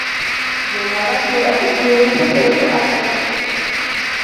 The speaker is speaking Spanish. Llegó a la Tierra y cuidó en secreto a Clark Kent.